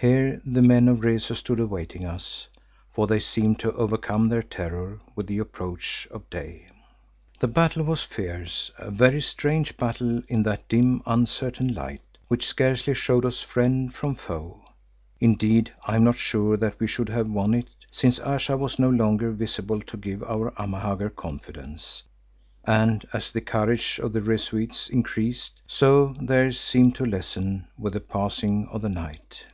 Here the men of Rezu stood awaiting us, for they seemed to overcome their terror with the approach of day. The battle was fierce, a very strange battle in that dim, uncertain light, which scarcely showed us friend from foe. Indeed I am not sure that we should have won it, since Ayesha was no longer visible to give our Amahagger confidence, and as the courage of the Rezuites increased, so theirs seemed to lessen with the passing of the night.